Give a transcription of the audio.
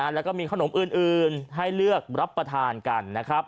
แล้วก็มีขนมอื่นให้เลือกรับประทานกันนะครับ